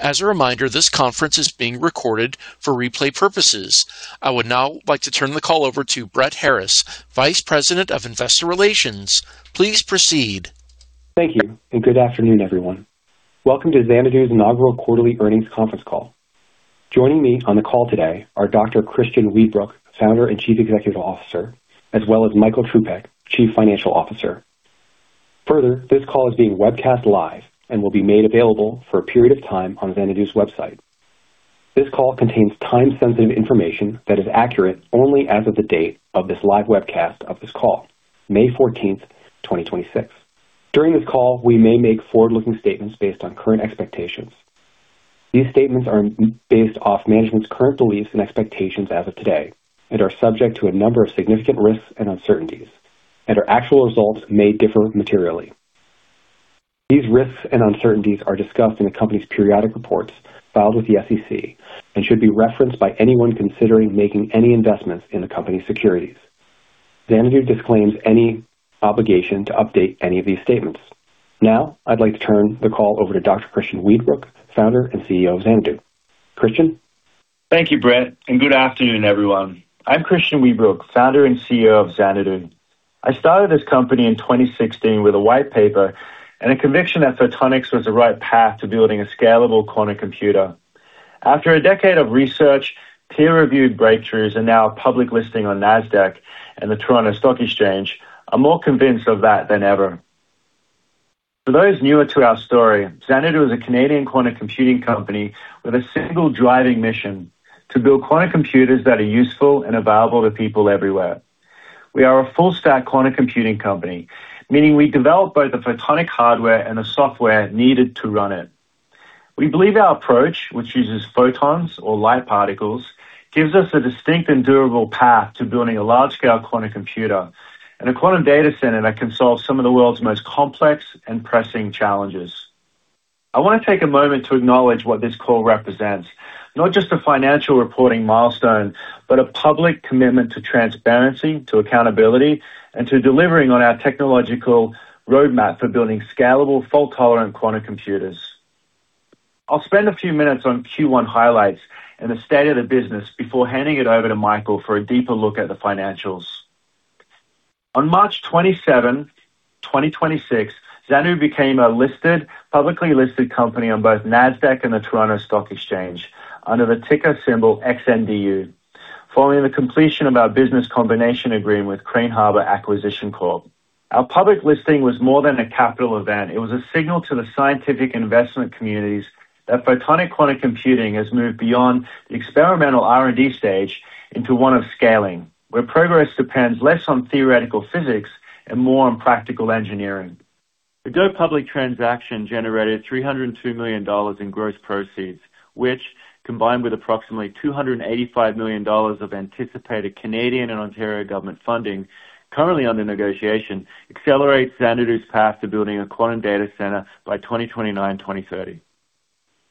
As a reminder, this conference is being recorded for replay purposes. I would now like to turn the call over to Brett Harris, Vice President of Investor Relations. Please proceed. Thank you, and good afternoon, everyone. Welcome to Xanadu's inaugural quarterly earnings conference call. Joining me on the call today are Dr. Christian Weedbrook, Founder and Chief Executive Officer, as well as Michael Trzupek, Chief Financial Officer. Further, this call is being webcast live and will be made available for a period of time on Xanadu's website. This call contains time-sensitive information that is accurate only as of the date of this live webcast of this call, May 14, 2026. During this call, we may make forward-looking statements based on current expectations. These statements are based off management's current beliefs and expectations as of today and are subject to a number of significant risks and uncertainties and our actual results may differ materially. These risks and uncertainties are discussed in the company's periodic reports filed with the SEC and should be referenced by anyone considering making any investments in the company's securities. Xanadu disclaims any obligation to update any of these statements. Now, I'd like to turn the call over to Dr. Christian Weedbrook, Founder and CEO of Xanadu. Christian. Thank you, Brett. Good afternoon, everyone. I'm Christian Weedbrook, founder and CEO of Xanadu. I started this company in 2016 with a white paper and a conviction that photonics was the right path to building a scalable quantum computer. After a decade of research, peer-reviewed breakthroughs, and now a public listing on Nasdaq and the Toronto Stock Exchange, I'm more convinced of that than ever. For those newer to our story, Xanadu is a Canadian quantum computing company with a single driving mission to build quantum computers that are useful and available to people everywhere. We are a full-stack quantum computing company, meaning we develop both the photonic hardware and the software needed to run it. We believe our approach, which uses photons or light particles, gives us a distinct and durable path to building a large-scale quantum computer and a quantum data center that can solve some of the world's most complex and pressing challenges. I want to take a moment to acknowledge what this call represents, not just a financial reporting milestone, but a public commitment to transparency, to accountability, and to delivering on our technological roadmap for building scalable, fault-tolerant quantum computers. I'll spend a few minutes on Q1 highlights and the state of the business before handing it over to Michael for a deeper look at the financials. On March 27, 2026, Xanadu became a publicly listed company on both Nasdaq and the Toronto Stock Exchange under the ticker symbol XNDU, following the completion of our business combination agreement with Crane Harbor Acquisition Corp. Our public listing was more than a capital event. It was a signal to the scientific investment communities that photonic quantum computing has moved beyond the experimental R&D stage into one of scaling, where progress depends less on theoretical physics and more on practical engineering. The go-public transaction generated $302 million in gross proceeds, which, combined with approximately 285 million dollars of anticipated Canadian and Ontario government funding currently under negotiation, accelerates Xanadu's path to building a quantum data center by 2029, 2030.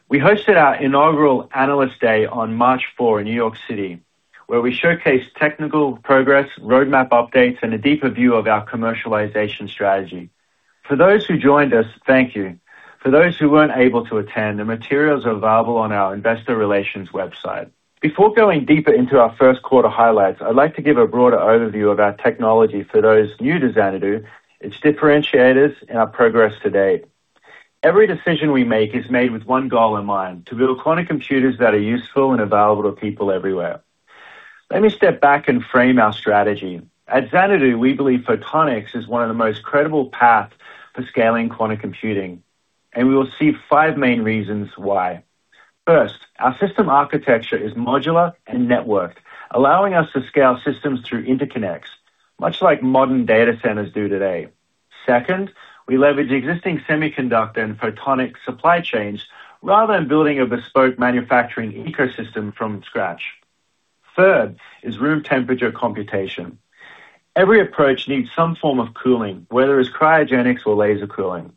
We hosted our inaugural Analyst Day on March 4 in New York City, where we showcased technical progress, roadmap updates, and a deeper view of our commercialization strategy. For those who joined us, thank you. For those who weren't able to attend, the materials are available on our investor relations website. Before going deeper into our first quarter highlights, I'd like to give a broader overview of our technology for those new to Xanadu, its differentiators, and our progress to date. Every decision we make is made with one goal in mind, to build quantum computers that are useful and available to people everywhere. Let me step back and frame our strategy. At Xanadu, we believe photonics is one of the most credible path for scaling quantum computing. We will see five main reasons why. First, our system architecture is modular and networked, allowing us to scale systems through interconnects, much like modern data centers do today. Second, we leverage existing semiconductor and photonic supply chains rather than building a bespoke manufacturing ecosystem from scratch. Third is room temperature computation. Every approach needs some form of cooling, whether it's cryogenics or laser cooling.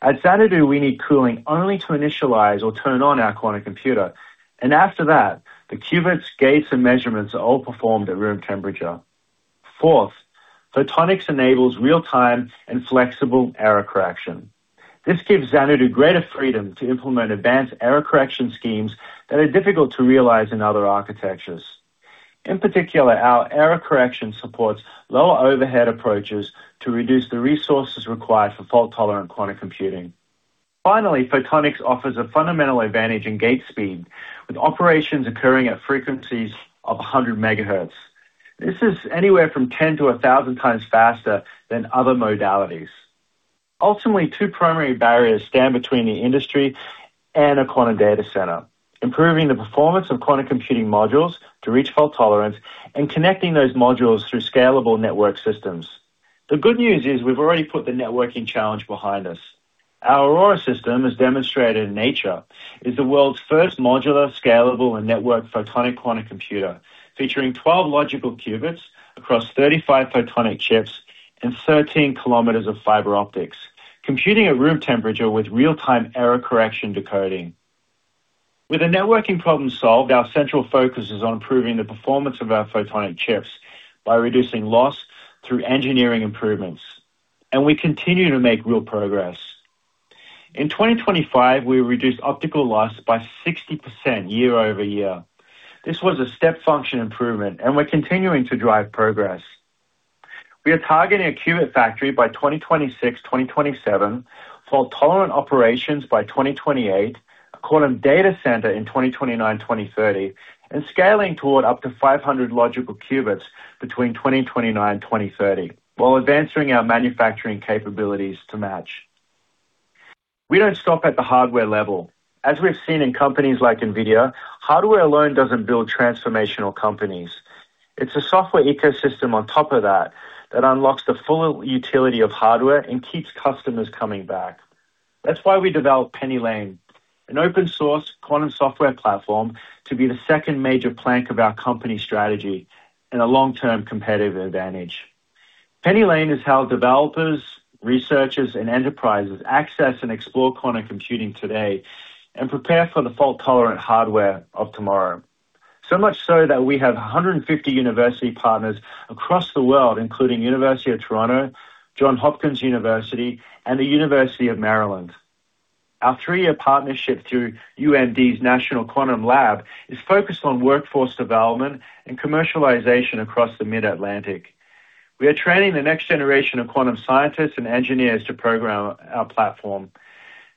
At Xanadu, we need cooling only to initialize or turn on our quantum computer, and after that, the qubits, gates, and measurements are all performed at room temperature. Fourth, photonics enables real-time and flexible error correction. This gives Xanadu greater freedom to implement advanced error correction schemes that are difficult to realize in other architectures. In particular, our error correction supports low overhead approaches to reduce the resources required for fault-tolerant quantum computing. Finally, photonics offers a fundamental advantage in gate speed, with operations occurring at frequencies of 100 megahertz. This is anywhere from 10 to 1,000 times faster than other modalities. Ultimately, two primary barriers stand between the industry and a quantum data center, improving the performance of quantum computing modules to reach fault tolerance and connecting those modules through scalable network systems. The good news is we've already put the networking challenge behind us. Our Aurora system, as demonstrated in Nature, is the world's first modular, scalable, and networked photonic quantum computer, featuring 12 logical qubits across 35 photonic chips and 13 km of fiber optics, computing at room temperature with real-time error correction decoding. With the networking problem solved, our central focus is on improving the performance of our photonic chips by reducing loss through engineering improvements. We continue to make real progress. In 2025, we reduced optical loss by 60% year-over-year. This was a step function improvement, and we're continuing to drive progress. We are targeting a qubit factory by 2026-2027, fault-tolerant operations by 2028, a quantum data center in 2029-2030, and scaling toward up to 500 logical qubits between 2029-2030, while advancing our manufacturing capabilities to match. We don't stop at the hardware level. As we've seen in companies like NVIDIA, hardware alone doesn't build transformational companies. It's a software ecosystem on top of that that unlocks the full utility of hardware and keeps customers coming back. That's why we developed PennyLane, an open source quantum software platform to be the second major plank of our company strategy and a long-term competitive advantage. PennyLane is how developers, researchers, and enterprises access and explore quantum computing today and prepare for the fault-tolerant hardware of tomorrow. So much so that we have 150 university partners across the world, including University of Toronto, Johns Hopkins University, and the University of Maryland. Our three-year partnership through UMD's National Quantum Lab is focused on workforce development and commercialization across the Mid-Atlantic. We are training the next generation of quantum scientists and engineers to program our platform.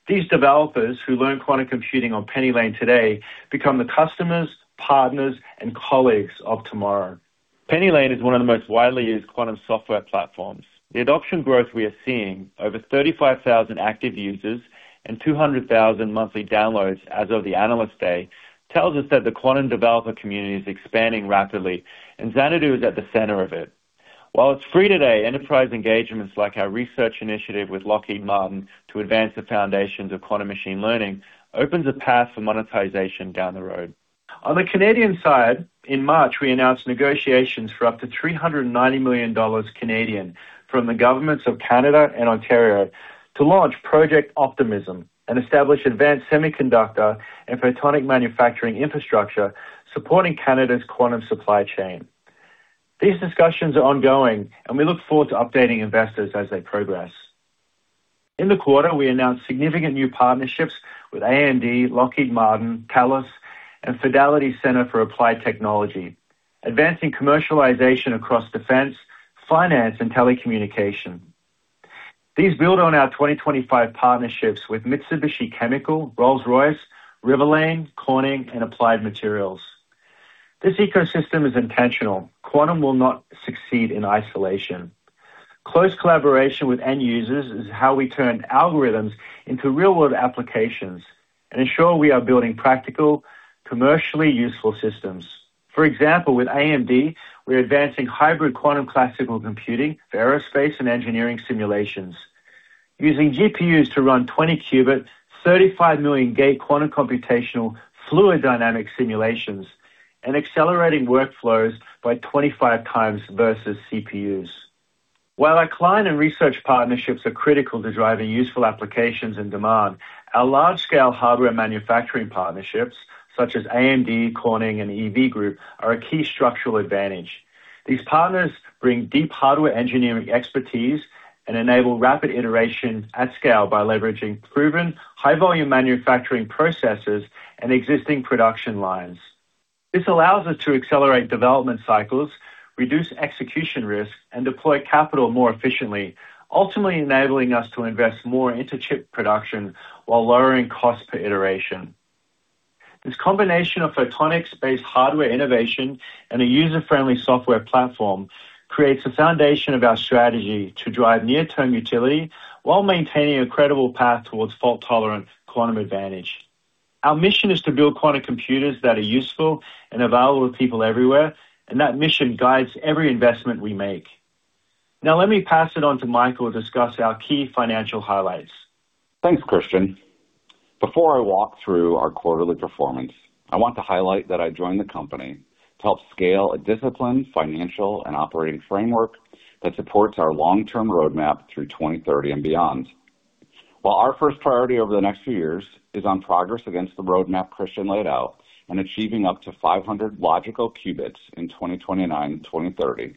These developers who learn quantum computing on PennyLane today become the customers, partners, and colleagues of tomorrow. PennyLane is one of the most widely used quantum software platforms. The adoption growth we are seeing over 35,000 active users and 200,000 monthly downloads as of the Analyst Day tells us that the quantum developer community is expanding rapidly and Xanadu is at the center of it. While it's free today, enterprise engagements like our research initiative with Lockheed Martin to advance the foundations of quantum machine learning opens a path for monetization down the road. On the Canadian side, in March, we announced negotiations for up to 390 million Canadian dollars from the governments of Canada and Ontario to launch Project Optism and establish advanced semiconductor and photonic manufacturing infrastructure supporting Canada's quantum supply chain. These discussions are ongoing, and we look forward to updating investors as they progress. In the quarter, we announced significant new partnerships with AMD, Lockheed Martin, TELUS, and Fidelity Center for Applied Technology, advancing commercialization across defense, finance, and telecommunication. These build on our 2025 partnerships with Mitsubishi Chemical, Rolls-Royce, Riverlane, Corning, and Applied Materials. This ecosystem is intentional. Quantum will not succeed in isolation. Close collaboration with end users is how we turn algorithms into real-world applications and ensure we are building practical, commercially useful systems. For example, with AMD, we're advancing hybrid quantum classical computing for aerospace and engineering simulations using GPUs to run 20 qubit, 35 million gate quantum computational fluid dynamics simulations and accelerating workflows by 25 times versus CPUs. While our client and research partnerships are critical to driving useful applications and demand, our large-scale hardware manufacturing partnerships such as AMD, Corning, and EV Group are a key structural advantage. These partners bring deep hardware engineering expertise and enable rapid iteration at scale by leveraging proven high-volume manufacturing processes and existing production lines. This allows us to accelerate development cycles, reduce execution risk, and deploy capital more efficiently, ultimately enabling us to invest more into chip production while lowering cost per iteration. This combination of photonics-based hardware innovation and a user-friendly software platform creates a foundation of our strategy to drive near-term utility while maintaining a credible path towards fault-tolerant quantum advantage. Our mission is to build quantum computers that are useful and available to people everywhere, and that mission guides every investment we make. Now, let me pass it on to Michael to discuss our key financial highlights. Thanks, Christian. Before I walk through our quarterly performance, I want to highlight that I joined the company to help scale a disciplined financial and operating framework that supports our long-term roadmap through 2030 and beyond. While our first priority over the next few years is on progress against the roadmap Christian laid out and achieving up to 500 logical qubits in 2029 and 2030,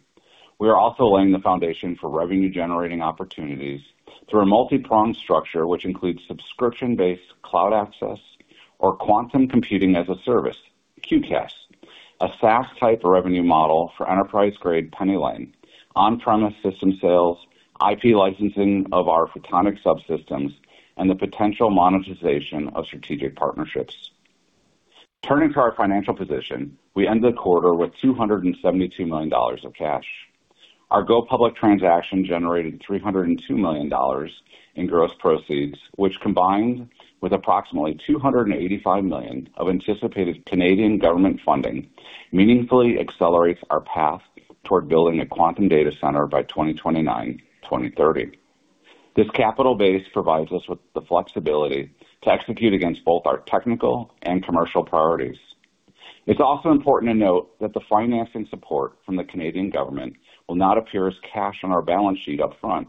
we are also laying the foundation for revenue-generating opportunities through a multi-pronged structure, which includes subscription-based cloud access or quantum computing as a service, QCaaS, a SaaS type revenue model for enterprise-grade PennyLane, on-premise system sales, IP licensing of our photonic subsystems, and the potential monetization of strategic partnerships. Turning to our financial position, we ended the quarter with 272 million dollars of cash. Our go public transaction generated $302 million in gross proceeds, which combined with approximately 285 million of anticipated Canadian government funding, meaningfully accelerates our path toward building a quantum data center by 2029, 2030. This capital base provides us with the flexibility to execute against both our technical and commercial priorities. It is also important to note that the financing support from the Canadian government will not appear as cash on our balance sheet up front.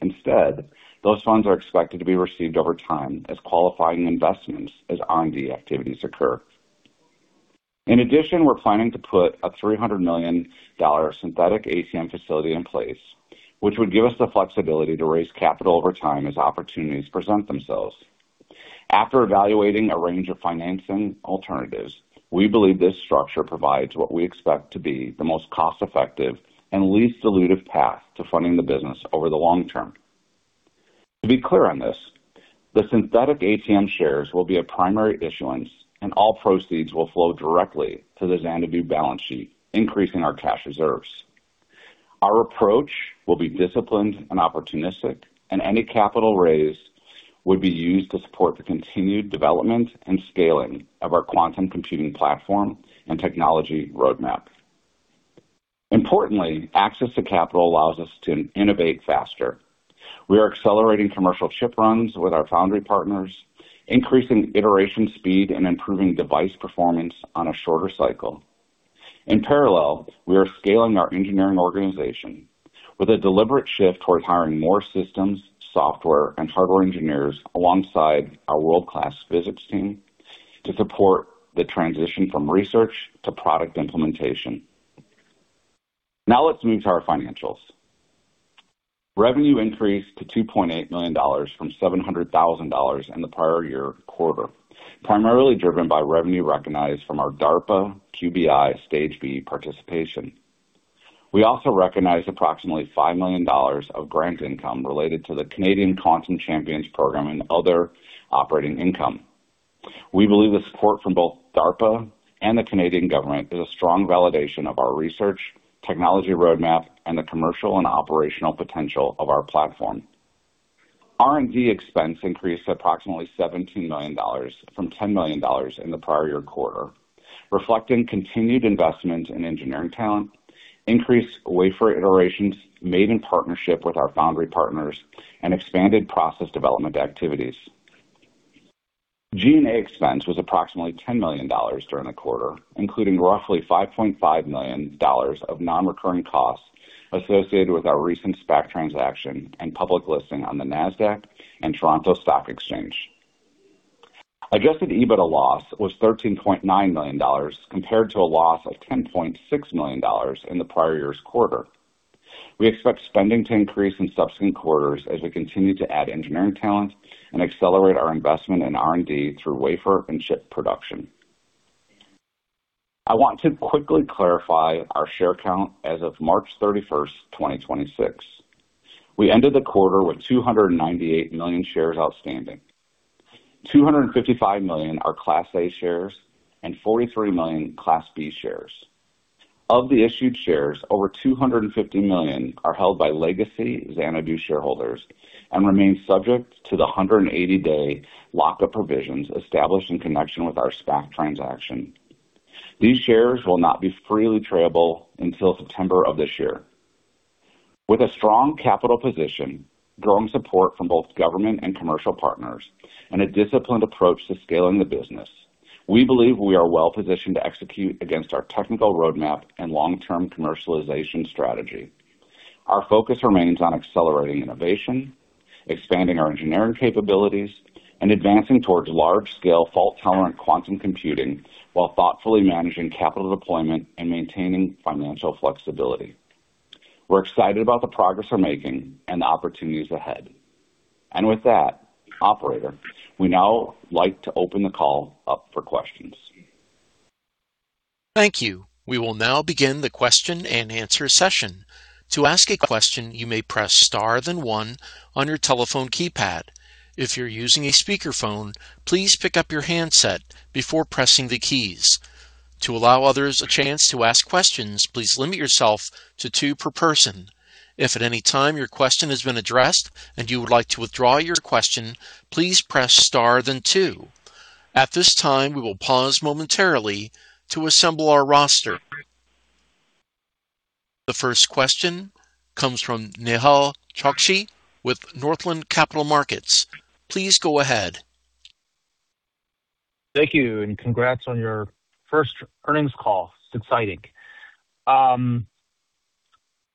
Instead, those funds are expected to be received over time as qualifying investments as R&D activities occur. We are planning to put a 300 million dollar synthetic ATM facility in place, which would give us the flexibility to raise capital over time as opportunities present themselves. After evaluating a range of financing alternatives, we believe this structure provides what we expect to be the most cost-effective and least dilutive path to funding the business over the long term. To be clear on this, the synthetic ATM shares will be a primary issuance and all proceeds will flow directly to the Xanadu balance sheet, increasing our cash reserves. Our approach will be disciplined and opportunistic, any capital raised would be used to support the continued development and scaling of our quantum computing platform and technology roadmap. Importantly, access to capital allows us to innovate faster. We are accelerating commercial chip runs with our foundry partners, increasing iteration speed and improving device performance on a shorter cycle. In parallel, we are scaling our engineering organization with a deliberate shift towards hiring more systems, software, and hardware engineers alongside our world-class physics team to support the transition from research to product implementation. Let's move to our financials. Revenue increased to 2.8 million dollars from 700,000 dollars in the prior year quarter, primarily driven by revenue recognized from our DARPA QBI Stage B participation. We also recognized approximately 5 million dollars of grant income related to the Canadian Quantum Champions Program and other operating income. We believe the support from both DARPA and the Canadian government is a strong validation of our research, technology roadmap, and the commercial and operational potential of our platform. R&D expense increased to approximately 17 million dollars from 10 million dollars in the prior year quarter, reflecting continued investment in engineering talent, increased wafer iterations made in partnership with our foundry partners, and expanded process development activities. G&A expense was approximately 10 million dollars during the quarter, including roughly 5.5 million dollars of non-recurring costs associated with our recent SPAC transaction and public listing on the Nasdaq and Toronto Stock Exchange. Adjusted EBITDA loss was 13.9 million dollars compared to a loss of 10.6 million dollars in the prior year's quarter. We expect spending to increase in subsequent quarters as we continue to add engineering talent and accelerate our investment in R&D through wafer and chip production. I want to quickly clarify our share count as of March 31st, 2026. We ended the quarter with 298 million shares outstanding. 255 million are Class A shares and 43 million Class B shares. Of the issued shares, over 250 million are held by legacy Xanadu shareholders and remain subject to the 180-day lock-up provisions established in connection with our SPAC transaction. These shares will not be freely tradable until September of this year. With a strong capital position, growing support from both government and commercial partners, and a disciplined approach to scaling the business, we believe we are well-positioned to execute against our technical roadmap and long-term commercialization strategy. Our focus remains on accelerating innovation, expanding our engineering capabilities, and advancing towards large-scale fault-tolerant quantum computing while thoughtfully managing capital deployment and maintaining financial flexibility. We're excited about the progress we're making and the opportunities ahead. With that, operator, we'd now like to open the call up for questions. Thank you. We will now begin the question-and-answer session. The first question comes from Nehal Chokshi with Northland Capital Markets. Please go ahead. Thank you, and congrats on your first earnings call. It's exciting.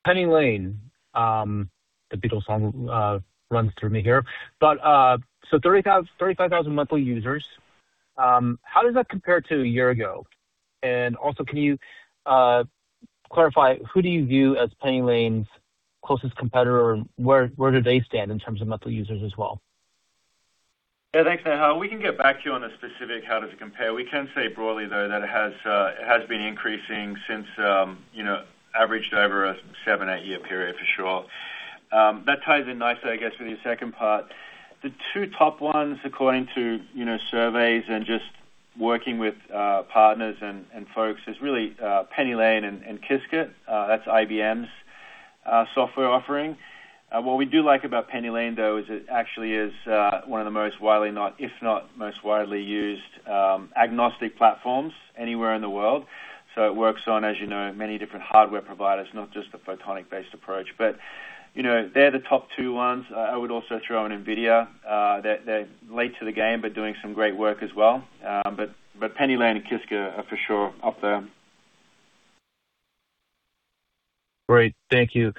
PennyLane, the Beatles song, runs through me here. 35,000 monthly users, how does that compare to a year ago? Can you clarify who do you view as PennyLane's closest competitor? Where do they stand in terms of monthly users as well? Yeah. Thanks, Nehal. We can get back to you on the specific how does it compare. We can say broadly, though, that it has been increasing since, you know, averaged over a seven, eight-year period for sure. That ties in nicely, I guess, with your second part. The two top ones, according to, you know, surveys and just working with partners and folks is really PennyLane and Qiskit, that's IBM's software offering. What we do like about PennyLane, though, is it actually is if not most widely used agnostic platforms anywhere in the world. It works on, as you know, many different hardware providers, not just the photonic-based approach, but, you know, they're the top two ones. I would also throw in Nvidia, they're late to the game, but doing some great work as well. PennyLane and Qiskit are for sure up there. Great. Thank you.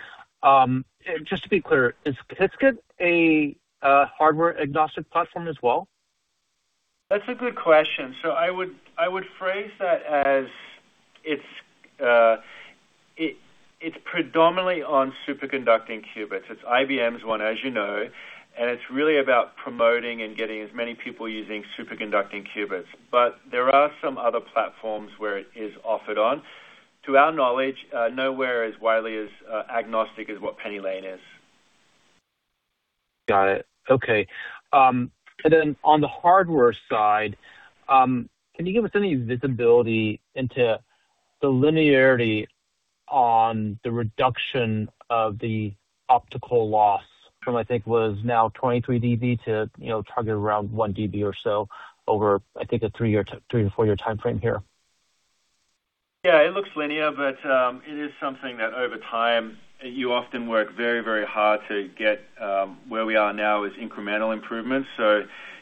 Just to be clear, is Qiskit a hardware agnostic platform as well? That's a good question. I would phrase that as it's predominantly on superconducting qubits. It's IBM's one, as you know, and it's really about promoting and getting as many people using superconducting qubits. There are some other platforms where it is offered on. To our knowledge, nowhere as widely as agnostic as what PennyLane is. Got it. Okay. On the hardware side, can you give us any visibility into the linearity on the reduction of the optical loss from, I think, it was now 23 DB to, you know, target around 1 DB or so over, I think, a three to four year time frame here? Yeah, it looks linear, but it is something that over time you often work very, very hard to get. Where we are now is incremental improvements.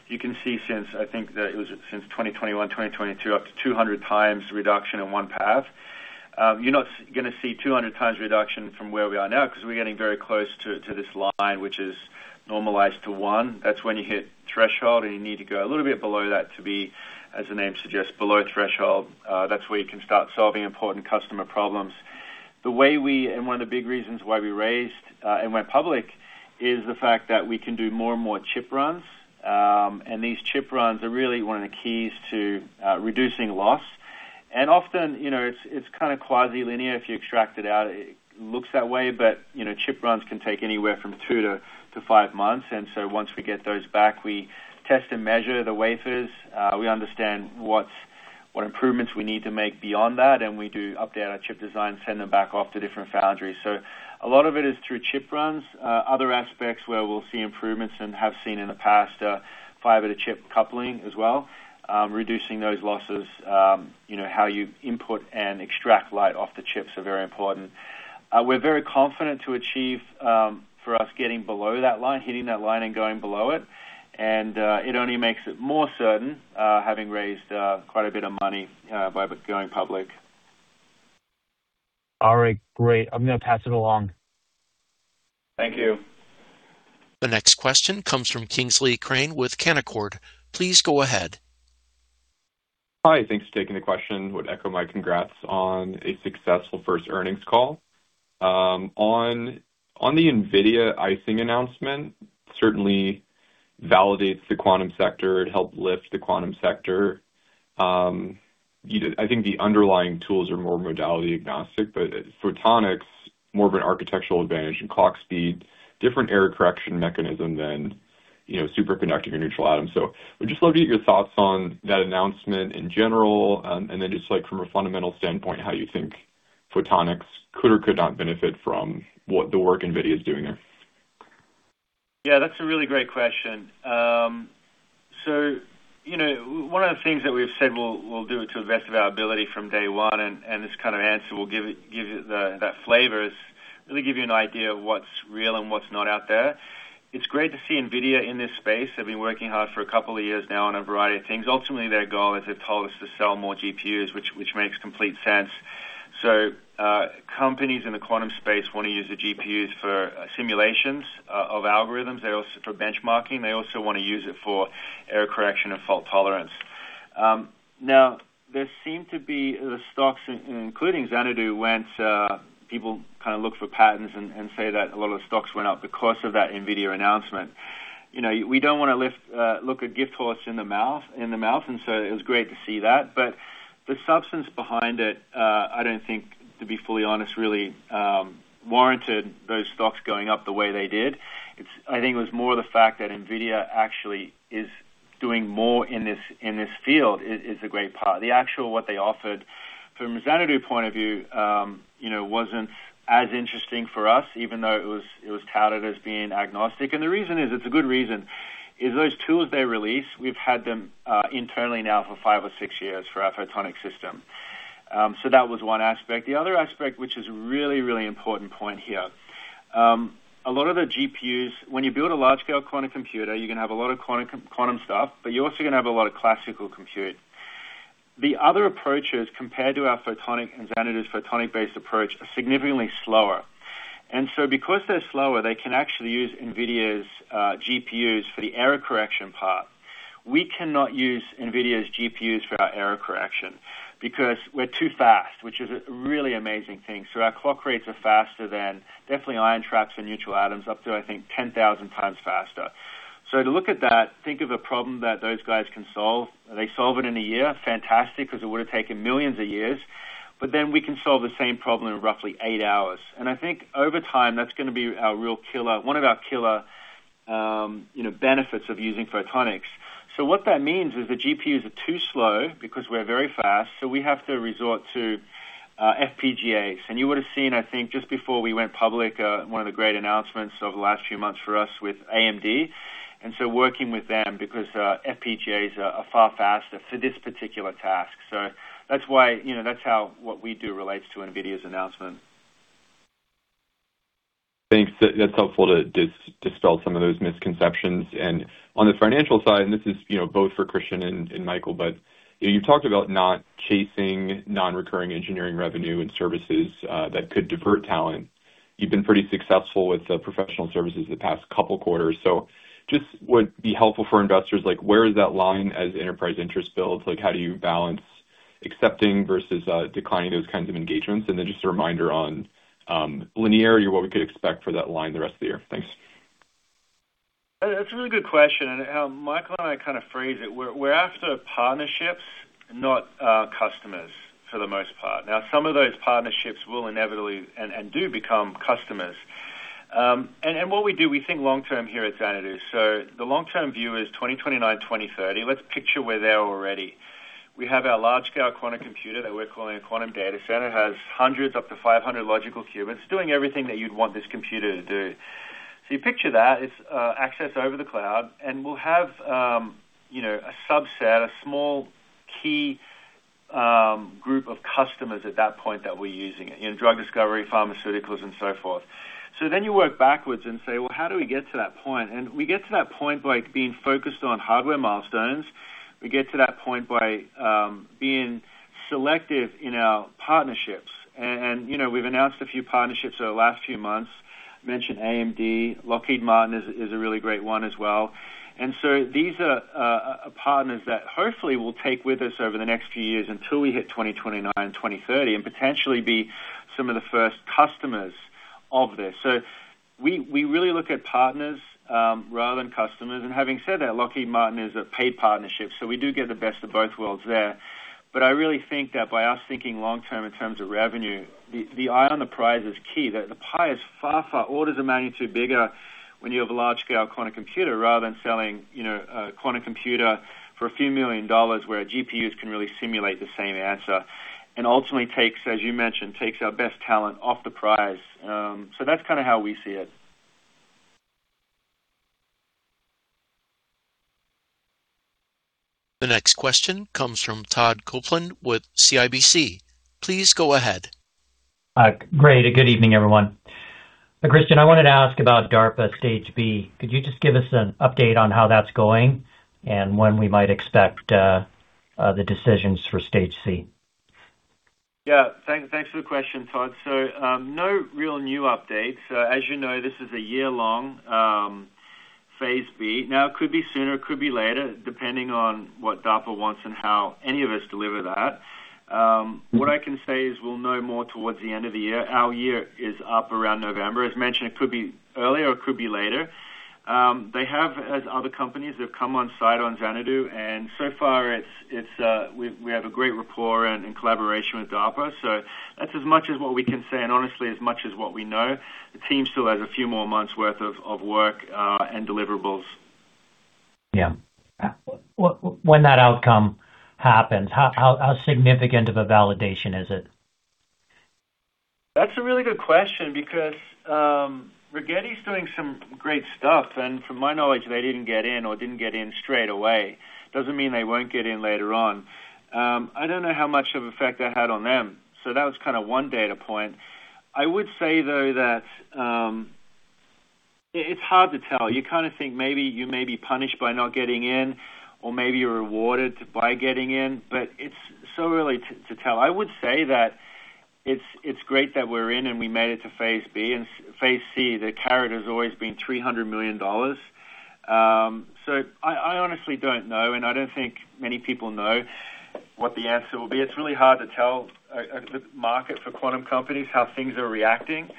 You can see since I think that it was since 2021, 2022, up to 200 times reduction in one path. You're not gonna see 200 times reduction from where we are now 'cause we're getting very close to this line, which is normalized to one. That's when you hit threshold, and you need to go a little bit below that to be, as the name suggests, below threshold. That's where you can start solving important customer problems. One of the big reasons why we raised and went public is the fact that we can do more and more chip runs. These chip runs are really one of the keys to reducing loss. Often, you know, it's kind of quasi-linear if you extract it out. It looks that way, you know, chip runs can take anywhere from two to five months. Once we get those back, we test and measure the wafers. We understand what improvements we need to make beyond that, we do update our chip design, send them back off to different foundries. A lot of it is through chip runs. Other aspects where we'll see improvements and have seen in the past are fiber to chip coupling as well. Reducing those losses, you know, how you input and extract light off the chips are very important. We're very confident to achieve for us getting below that line, hitting that line and going below it. It only makes it more certain, having raised quite a bit of money by going public. All right, great. I'm gonna pass it along. Thank you. The next question comes from Kingsley Crane with Canaccord. Please go ahead. Hi. Thanks for taking the question. Would echo my congrats on a successful first earnings call. On the NVIDIA Ising announcement, certainly validates the quantum sector. It helped lift the quantum sector. You know, I think the underlying tools are more modality agnostic, but photonics more of an architectural advantage and clock speed, different error correction mechanism than, you know, superconducting or neutral atoms. Would just love to get your thoughts on that announcement in general, and then just like from a fundamental standpoint, how you think photonics could or could not benefit from what the work NVIDIA is doing there. Yeah, that's a really great question. You know, one of the things that we've said we'll do to the best of our ability from day one, and this kind of answer will give you the, that flavor, is really give you an idea of what's real and what's not out there. It's great to see Nvidia in this space. They've been working hard for a couple of years now on a variety of things. Ultimately, their goal, as they've told us, is to sell more GPUs, which makes complete sense. Companies in the quantum space wanna use the GPUs for simulations of algorithms. For benchmarking. They also wanna use it for error correction and fault tolerance. Now there seem to be the stocks including Xanadu, whence people kinda look for patterns and say that a lot of the stocks went up because of that Nvidia announcement. You know, we don't wanna lift, look a gift horse in the mouth, it was great to see that. The substance behind it, I don't think, to be fully honest, really, warranted those stocks going up the way they did. I think it was more the fact that Nvidia actually is doing more in this field is a great part. The actual what they offered from a Xanadu point of view, you know, wasn't as interesting for us even though it was touted as being agnostic. The reason is, it's a good reason, is those tools they released, we've had them internally now for five or six years for our photonic system. That was one aspect. The other aspect, which is a really, really important point here. A lot of the GPUs, when you build a large scale quantum computer, you're gonna have a lot of quantum stuff, but you're also gonna have a lot of classical compute. The other approaches compared to our photonic and Xanadu's photonic-based approach are significantly slower. Because they're slower, they can actually use NVIDIA's GPUs for the error correction part. We cannot use NVIDIA's GPUs for our error correction because we're too fast, which is a really amazing thing. Our clock rates are faster than definitely ion traps or neutral atoms, up to, I think, 10,000 times faster. To look at that, think of a problem that those guys can solve. They solve it in a year, fantastic, 'cause it would've taken millions of years. Then we can solve the same problem in roughly eight hours. I think over time, that's gonna be our real killer, one of our killer, you know, benefits of using photonics. What that means is the GPUs are too slow because we're very fast, so we have to resort to FPGAs. You would've seen, I think just before we went public, one of the great announcements over the last few months for us with AMD, and so working with them because FPGAs are far faster for this particular task. That's why, you know, that's how what we do relates to NVIDIA's announcement. Thanks. That's helpful to dispel some of those misconceptions. On the financial side, this is, you know, both for Christian and Michael, but, you know, you've talked about not chasing non-recurring engineering revenue and services that could divert talent. You've been pretty successful with the professional services the past couple quarters. Just would be helpful for investors, like where is that line as enterprise interest builds? Like how do you balance accepting versus declining those kinds of engagements? Just a reminder on linearity, what we could expect for that line the rest of the year. Thanks. That's a really good question, and Michael and I kind of phrase it, we're after partnerships, not customers for the most part. Now, some of those partnerships will inevitably and do become customers. What we do, we think long-term here at Xanadu. The long-term view is 2029, 2030. Let's picture we're there already. We have our large scale quantum computer that we're calling a quantum data center, has hundreds up to 500 logical qubits doing everything that you'd want this computer to do. You picture that, it's access over the cloud, and we'll have, you know, a subset, a small key group of customers at that point that we're using it, you know, drug discovery, pharmaceuticals and so forth. You work backwards and say, "Well, how do we get to that point?" We get to that point by being focused on hardware milestones. We get to that point by being selective in our partnerships. You know, we've announced a few partnerships over the last few months. Mentioned AMD. Lockheed Martin is a really great one as well. These are partners that hopefully will take with us over the next few years until we hit 2029, 2030, and potentially be some of the first customers of this. We really look at partners rather than customers. Having said that, Lockheed Martin is a paid partnership, so we do get the best of both worlds there. I really think that by us thinking long-term in terms of revenue, the eye on the prize is key, that the pie is far orders of magnitude bigger when you have a large scale quantum computer rather than selling, you know, a quantum computer for a few million CAD, where GPUs can really simulate the same answer. Ultimately takes, as you mentioned, takes our best talent off the prize. That's kinda how we see it. The next question comes from Todd Coupland with CIBC. Please go ahead. Great and good evening, everyone. Christian, I wanted to ask about DARPA Stage B. Could you just give us an update on how that's going and when we might expect the decisions for Stage C? Thanks for the question, Todd. No real new updates. As you know, this is a year-long Phase B. It could be sooner, it could be later, depending on what DARPA wants and how any of us deliver that. What I can say is we'll know more towards the end of the year. Our year is up around November. As mentioned, it could be earlier or it could be later. They have, as other companies have come on site on Xanadu, and so far it's, we have a great rapport and collaboration with DARPA. That's as much as what we can say, and honestly, as much as what we know. The team still has a few more months worth of work and deliverables. Yeah. When that outcome happens, how significant of a validation is it? That's a really good question because Rigetti's doing some great stuff, and from my knowledge, they didn't get in or didn't get in straight away. Doesn't mean they won't get in later on. I don't know how much of effect that had on them, so that was kinda one data point. I would say, though, that it's hard to tell. You kinda think maybe you may be punished by not getting in or maybe you're rewarded by getting in, but it's so early to tell. I would say that it's great that we're in and we made it to Phase B, and Phase C, the carrot has always been 300 million dollars. I honestly don't know, and I don't think many people know what the answer will be. It's really hard to tell the market for quantum companies, how things are reacting.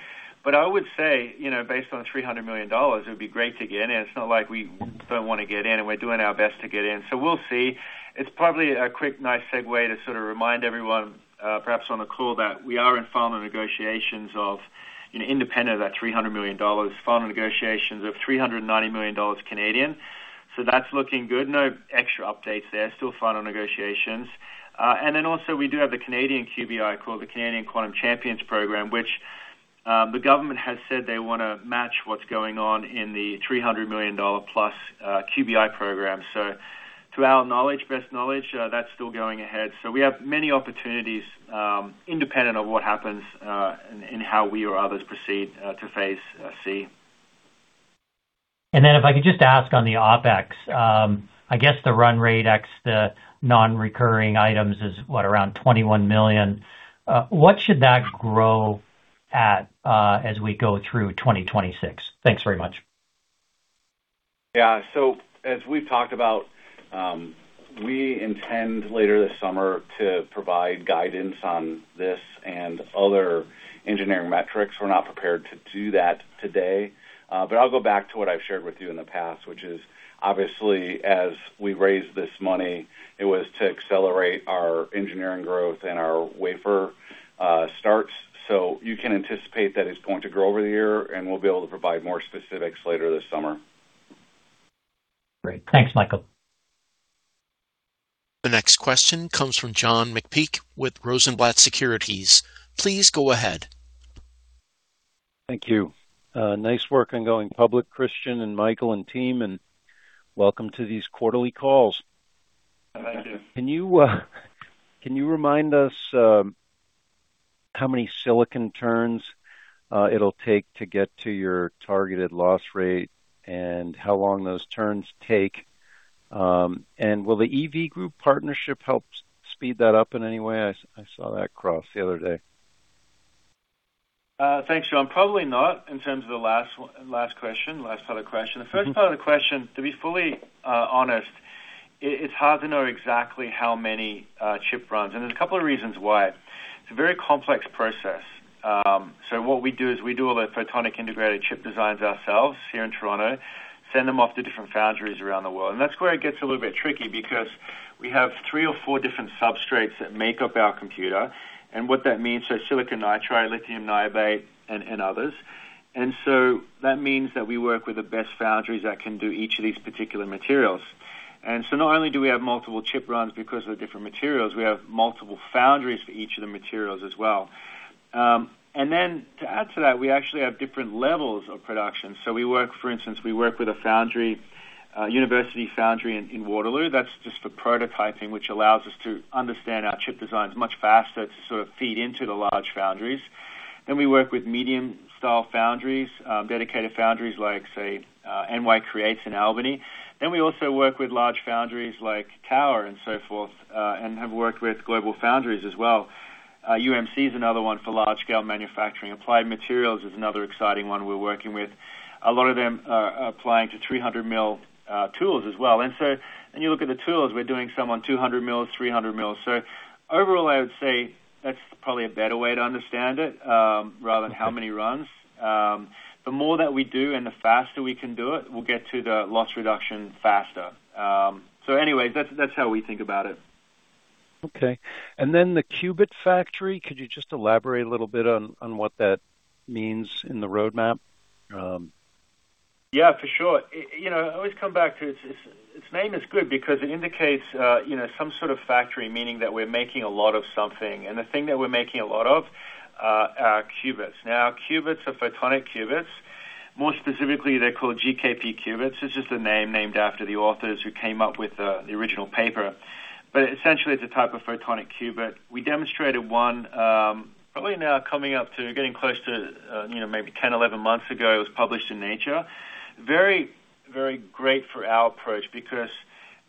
I would say, you know, based on $300 million, it would be great to get in, and it's not like we don't wanna get in, and we're doing our best to get in. We'll see. It's probably a quick, nice segue to sort of remind everyone, perhaps on the call that we are in final negotiations of, you know, independent of that $300 million, final negotiations of 390 million Canadian dollars. That's looking good. No extra updates there. Still final negotiations. And then also we do have the Canadian QBI, called the Canadian Quantum Champions Program, which the government has said they wanna match what's going on in the $300 million plus QBI program. To our knowledge, best knowledge, that's still going ahead. We have many opportunities, independent of what happens, in how we or others proceed, to Phase C. If I could just ask on the OpEx, I guess the run rate ex the non-recurring items is what? Around 21 million. What should that grow at, as we go through 2026? Thanks very much. Yeah. As we've talked about, we intend later this summer to provide guidance on this and other engineering metrics. We're not prepared to do that today. I'll go back to what I've shared with you in the past, which is obviously as we raised this money, it was to accelerate our engineering growth and our wafer starts. You can anticipate that it's going to grow over the year, and we'll be able to provide more specifics later this summer. Great. Thanks, Michael. The next question comes from John McPeake with Rosenblatt Securities. Please go ahead. Thank you. Nice work on going public, Christian and Michael and team, and welcome to these quarterly calls. Can you remind us how many silicon turns it'll take to get to your targeted loss rate and how long those turns take? Will the EV Group partnership help speed that up in any way? I saw that cross the other day. Thanks, John. Probably not, in terms of the last question, last part of the question. The first part of the question, to be fully honest, it's hard to know exactly how many chip runs, and there's a couple of reasons why. It's a very complex process. What we do is we do all the photonic integrated chip designs ourselves here in Toronto, send them off to different foundries around the world. That's where it gets a little bit tricky because we have three or four different substrates that make up our computer, and what that means, silicon nitride, lithium niobate and others. That means that we work with the best foundries that can do each of these particular materials. Not only do we have multiple chip runs because of the different materials, we have multiple foundries for each of the materials as well. To add to that, we actually have different levels of production. We work, for instance, we work with a foundry, university foundry in Waterloo. That's just for prototyping, which allows us to understand our chip designs much faster to sort of feed into the large foundries. We work with medium style foundries, dedicated foundries like say, NY CREATES in Albany. We also work with large foundries like Tower and so forth, and have worked with GlobalFoundries as well. UMC is another one for large scale manufacturing. Applied Materials is another exciting one we're working with. A lot of them are applying to 300 mil tools as well. When you look at the tools, we're doing some on 200 mil, 300 mil. Overall, I would say that's probably a better way to understand it, rather than how many runs. The more that we do and the faster we can do it, we'll get to the loss reduction faster. Anyway, that's how we think about it. Okay. The qubit factory, could you just elaborate a little bit on what that means in the roadmap? Yeah, for sure. You know, I always come back to its name is good because it indicates, you know, some sort of factory, meaning that we're making a lot of something. The thing that we're making a lot of are qubits. Now, our qubits are photonic qubits. More specifically, they're called GKP qubits. It's just a name named after the authors who came up with the original paper. Essentially, it's a type of photonic qubit. We demonstrated one, probably now coming up to getting close to, you know, maybe 10, 11 months ago, it was published in Nature. Very great for our approach because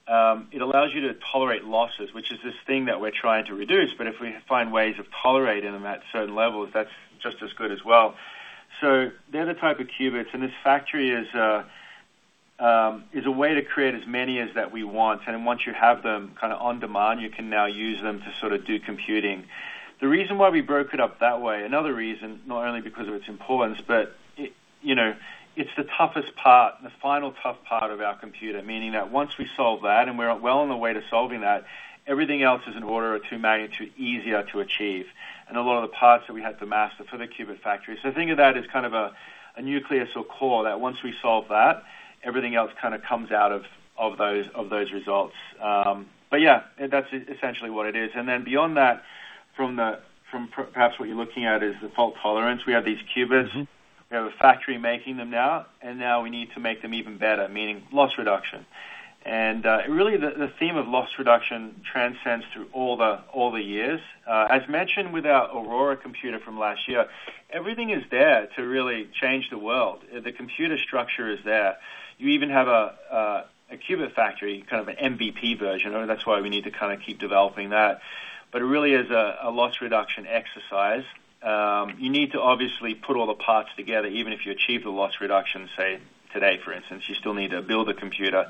it allows you to tolerate losses, which is this thing that we're trying to reduce. If we find ways of tolerating them at certain levels, that's just as good as well. They're the type of qubits, and this factory is a way to create as many as that we want. Once you have them kinda on demand, you can now use them to sorta do computing. The reason why we broke it up that way, another reason, not only because of its importance, but it, you know, it's the toughest part, the final tough part of our computer, meaning that once we solve that, and we're well on the way to solving that, everything else is an order of 2 magnitude easier to achieve. A lot of the parts that we had to master for the qubit factory. Think of that as kind of a nucleus or core that once we solve that, everything else kinda comes out of those results. Yeah, that's essentially what it is. Beyond that, from perhaps what you're looking at is the fault tolerance. We have these qubits. We have a factory making them now, we need to make them even better, meaning loss reduction. Really the theme of loss reduction transcends through all the years. As mentioned with our Aurora computer from last year, everything is there to really change the world. The computer structure is there. You even have a qubit factory, kind of an MVP version. That's why we need to kind of keep developing that. It really is a loss reduction exercise. You need to obviously put all the parts together, even if you achieve the loss reduction, say today, for instance, you still need to build a computer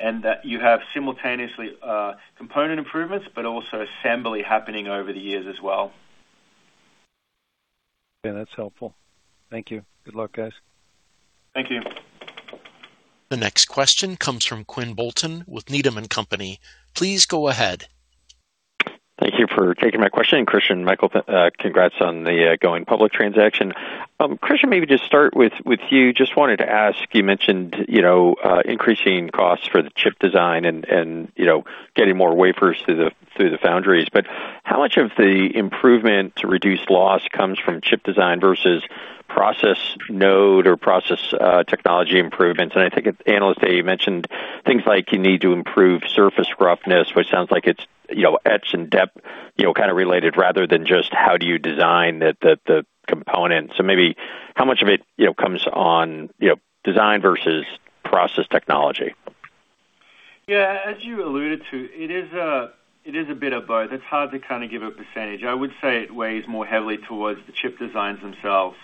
and that you have simultaneously component improvements, but also assembly happening over the years as well. Yeah, that's helpful. Thank you. Good luck, guys. Thank you. The next question comes from Quinn Bolton with Needham & Company. Please go ahead. Thank you for taking my question. Christian and Michael, congrats on the going public transaction. Christian, maybe just start with you. Just wanted to ask, you mentioned, you know, increasing costs for the chip design and getting more wafers through the foundries. How much of the improvement to reduce loss comes from chip design versus process node or process technology improvements? I think at Analyst Day, you mentioned things like you need to improve surface roughness, which sounds like it's, you know, etch and depth, you know, kinda related rather than just how do you design the component. Maybe how much of it, you know, comes on, you know, design versus process technology? Yeah. As you alluded to, it is a bit of both. It's hard to kinda give a percentage. I would say it weighs more heavily towards the chip designs themselves.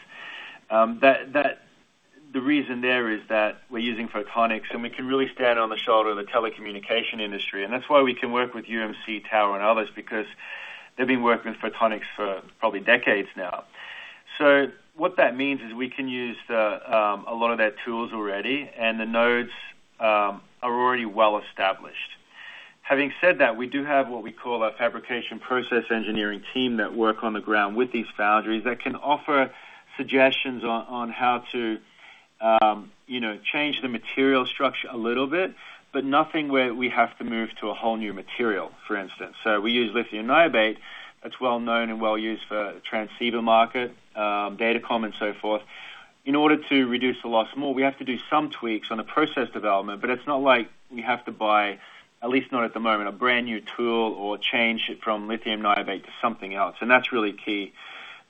The reason there is that we're using photonics, and we can really stand on the shoulder of the telecommunication industry, and that's why we can work with UMC, Tower, and others because they've been working with photonics for probably decades now. What that means is we can use a lot of their tools already and the nodes are already well-established. Having said that, we do have what we call our fabrication process engineering team that work on the ground with these foundries that can offer suggestions on how to, you know, change the material structure a little bit, but nothing where we have to move to a whole new material, for instance. We use lithium niobate that's well-known and well-used for transceiver market, Datacom and so forth. In order to reduce the loss more, we have to do some tweaks on the process development, but it's not like we have to buy, at least not at the moment, a brand new tool or change it from lithium niobate to something else. That's really key.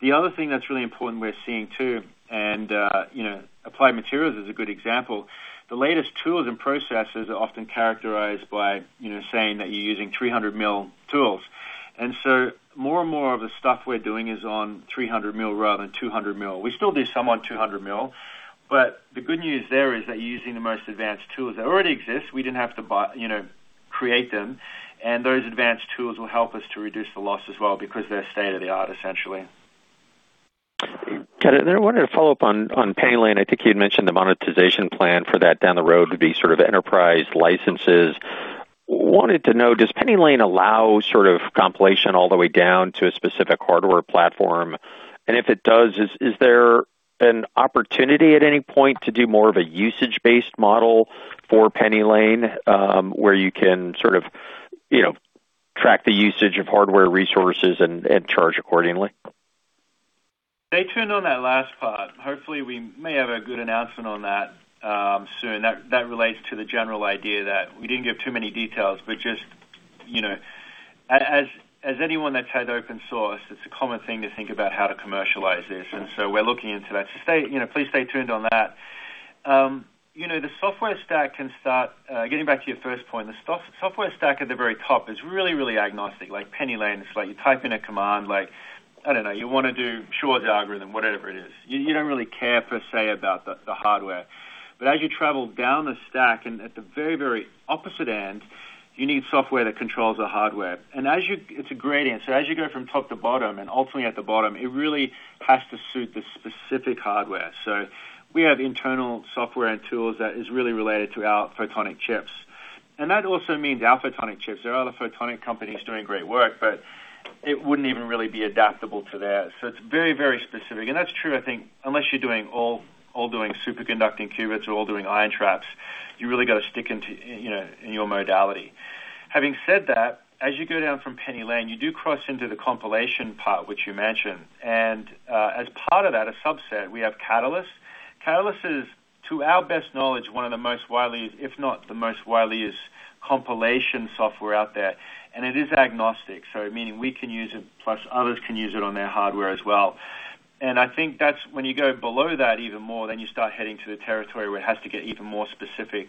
The other thing that's really important we're seeing too, and, you know, Applied Materials is a good example. The latest tools and processes are often characterized by, you know, saying that you're using 300 mil tools. More and more of the stuff we're doing is on 300 mil rather than 200 mil. We still do some on 200 mil, but the good news there is that you're using the most advanced tools that already exist. We didn't have to buy, you know, create them. Those advanced tools will help us to reduce the loss as well because they're state-of-the-art, essentially. Got it. I wanted to follow up on PennyLane. I think you'd mentioned the monetization plan for that down the road would be sort of enterprise licenses. Wanted to know, does PennyLane allow sort of compilation all the way down to a specific hardware platform? If it does, is there an opportunity at any point to do more of a usage-based model for PennyLane, where you can sort of, you know, track the usage of hardware resources and charge accordingly? Stay tuned on that last part. Hopefully, we may have a good announcement on that soon. That relates to the general idea that we didn't give too many details, but just, you know. As anyone that's had open source, it's a common thing to think about how to commercialize this. We're looking into that. Stay, you know, please stay tuned on that. You know, getting back to your first point, the software stack at the very top is really, really agnostic, like PennyLane. It's like you type in a command, like, I don't know, you wanna do Shor's algorithm, whatever it is. You don't really care per se about the hardware. As you travel down the stack and at the very opposite end, you need software that controls the hardware. It's a gradient. As you go from top to bottom and ultimately at the bottom, it really has to suit the specific hardware. We have internal software and tools that is really related to our photonic chips. That also means our photonic chips. There are other photonic companies doing great work, but it wouldn't even really be adaptable to theirs. It's very specific. That's true, I think, unless you're all doing superconducting qubits or all doing ion traps, you really got to stick into, you know, in your modality. Having said that, as you go down from PennyLane, you do cross into the compilation part, which you mentioned. As part of that, a subset, we have Catalyst. Catalyst is, to our best knowledge, one of the most widely, if not the most widely used compilation software out there. It is agnostic, so meaning we can use it, plus others can use it on their hardware as well. I think that's when you go below that even more, then you start heading to the territory where it has to get even more specific.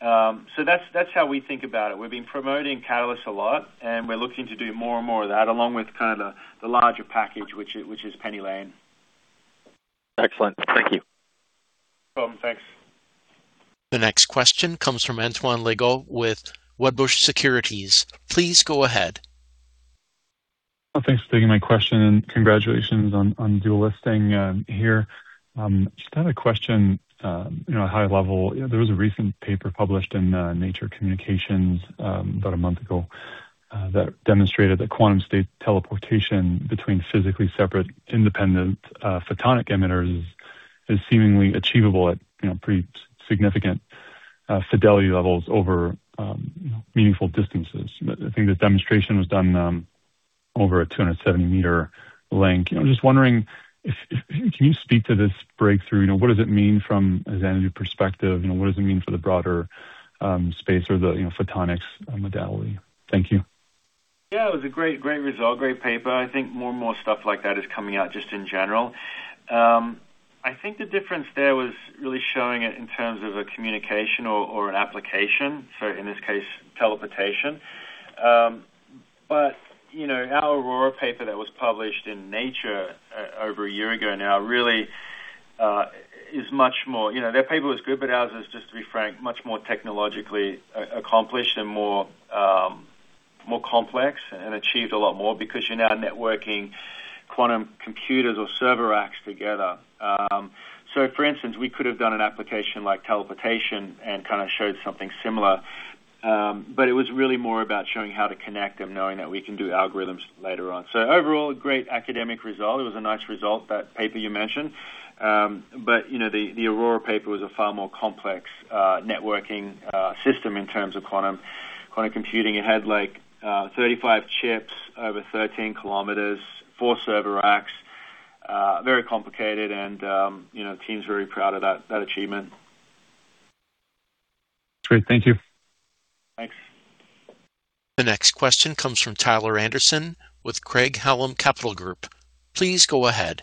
That's how we think about it. We've been promoting Catalyst a lot, and we're looking to do more and more of that, along with kind of the larger package, which is PennyLane. Excellent. Thank you. No problem. Thanks. The next question comes from Antoine Gara with Wedbush Securities. Please go ahead. Oh, thanks for taking my question and congratulations on dual listing here. Just had a question, you know, high level. There was a recent paper published in Nature Communications about a month ago that demonstrated that quantum state teleportation between physically separate independent photonic emitters is seemingly achievable at, you know, pretty significant fidelity levels over, you know, meaningful distances. I think the demonstration was done over a 270-meter link. You know, I'm just wondering can you speak to this breakthrough? You know, what does it mean from a Xanadu perspective? You know, what does it mean for the broader space or the you know, photonics modality? Thank you. It was a great result, great paper. More and more stuff like that is coming out just in general. The difference there was really showing it in terms of a communication or an application, so in this case, teleportation. You know, our Aurora paper that was published in Nature over a year ago now really is much more You know, their paper was good, but ours is, just to be frank, much more technologically accomplished and more complex and achieves a lot more because you're now networking quantum computers or server racks together. For instance, we could have done an application like teleportation and kinda showed something similar, but it was really more about showing how to connect them, knowing that we can do algorithms later on. Overall, a great academic result. It was a nice result, that paper you mentioned. You know, the Aurora paper was a far more complex networking system in terms of quantum computing. It had like 35 chips over 13 kilometers, 4 server racks. Very complicated and, you know, the team's very proud of that achievement. Great. Thank you. Thanks. The next question comes from Tyler Anderson with Craig-Hallum Capital Group. Please go ahead.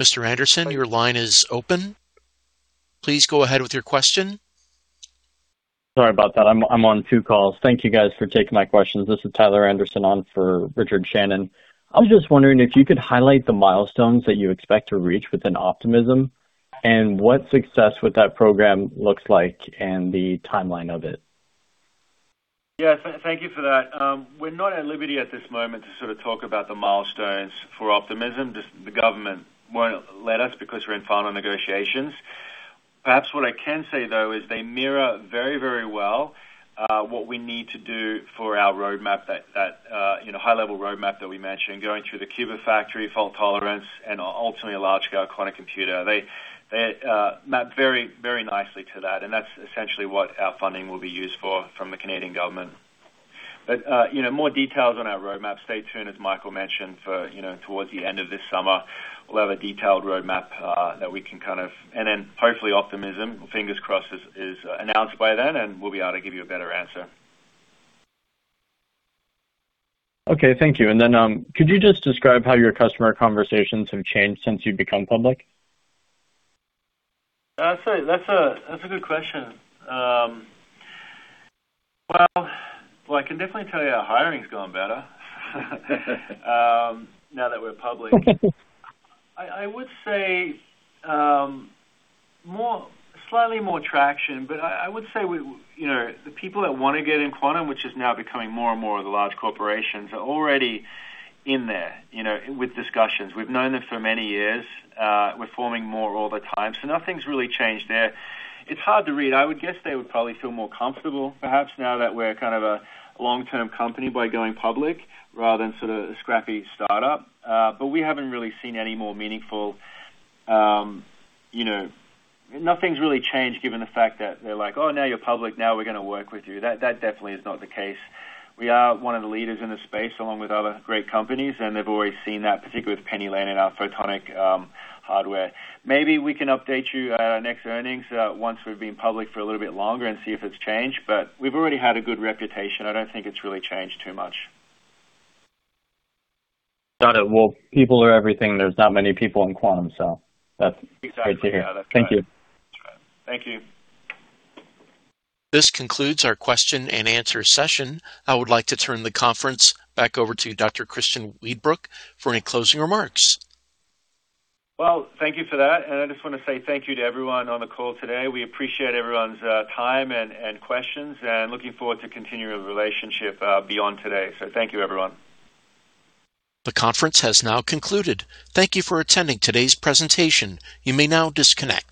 Mr. Anderson, your line is open. Please go ahead with your question. Sorry about that. I'm on 2 calls. Thank you guys for taking my questions. This is Tyler Anderson on for Richard Shannon. I was just wondering if you could highlight the milestones that you expect to reach within Optimism and what success with that program looks like and the timeline of it. Thank you for that. We're not at liberty at this moment to sort of talk about the milestones for Project OPTIMISM. The government won't let us because we're in final negotiations. Perhaps what I can say, though, is they mirror very, very well what we need to do for our roadmap that, you know, high-level roadmap that we mentioned, going through the qubit factory fault tolerance and ultimately a large-scale quantum computer. They map very, very nicely to that, and that's essentially what our funding will be used for from the Canadian government. You know, more details on our roadmap. Stay tuned, as Michael mentioned, for, you know, towards the end of this summer, we'll have a detailed roadmap. Hopefully, OPTIMISM, fingers crossed, is announced by then, and we'll be able to give you a better answer. Okay. Thank you. Could you just describe how your customer conversations have changed since you've become public? That's a good question. Well, I can definitely tell you our hiring's gone better now that we're public. I would say, slightly more traction, but I would say we, you know, the people that wanna get in quantum, which is now becoming more and more of the large corporations, are already in there, you know, with discussions. We've known them for many years. We're forming more all the time. Nothing's really changed there. It's hard to read. I would guess they would probably feel more comfortable perhaps now that we're kind of a long-term company by going public rather than sort of a scrappy startup. We haven't really seen any more meaningful. You know, nothing's really changed given the fact that they're like, "Oh, now you're public. Now we're gonna work with you." That definitely is not the case. We are one of the leaders in this space, along with other great companies, and they've always seen that, particularly with PennyLane and our photonic hardware. Maybe we can update you at our next earnings, once we've been public for a little bit longer and see if it's changed, but we've already had a good reputation. I don't think it's really changed too much. Got it. Well, people are everything. There's not many people in quantum, so that's great to hear. Exactly. Yeah, that's right. Thank you. Thank you. This concludes our question and answer session. I would like to turn the conference back over to Dr. Christian Weedbrook for any closing remarks. Well, thank you for that. I just want to say thank you to everyone on the call today. We appreciate everyone's time and questions, and looking forward to continuing the relationship beyond today. Thank you, everyone. The conference has now concluded. Thank you for attending today's presentation. You may now disconnect.